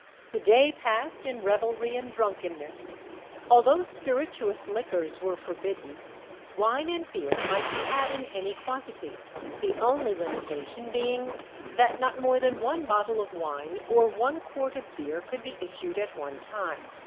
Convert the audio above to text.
The day passed in revelry and drunkenness. Although spirituous liquors were forbidden, wine and beer might be had in any quantity, the only limitation being that not more than one bottle of wine or one quart of beer could be issued at one time.